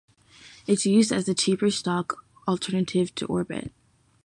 It's used as the cheaper stock alternative to Orbit.